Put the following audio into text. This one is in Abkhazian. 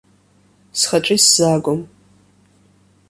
Схаҿы исзаагом.